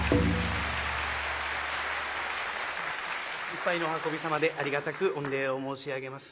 いっぱいのお運びさまでありがたく御礼を申し上げます。